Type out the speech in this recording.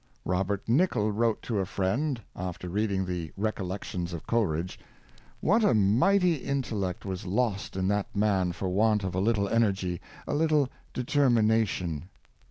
Robert Nicoll wrote to a friend, after reading the "Recollections of Coleridge,'' *'What a mighty intel lect was lost in that man for want of a little energy — a little determination!